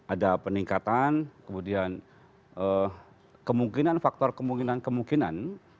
ada peningkatan kemudian kemungkinan faktor kemungkinan kemungkinan